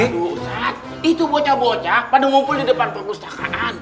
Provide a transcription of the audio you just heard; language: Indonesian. di pusat itu bocah bocah pada ngumpul di depan perpustakaan